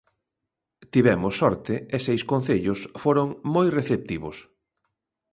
Tivemos sorte e seis concellos foron moi receptivos.